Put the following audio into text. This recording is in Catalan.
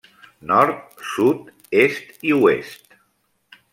Nord, Sud, Est i Oest.